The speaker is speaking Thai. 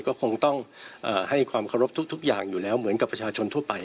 ก็คงต้องให้ความเคารพทุกอย่างอยู่แล้วเหมือนกับประชาชนทั่วไป